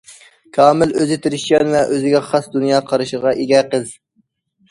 كامىل، ئۆزى تىرىشچان ۋە ئۆزىگە خاس دۇنيا قارىشىغا ئىگە قىز.